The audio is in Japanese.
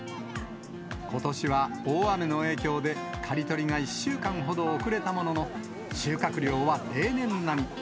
ことしは大雨の影響で、刈り取りが１週間ほど遅れたものの、収穫量は例年並み。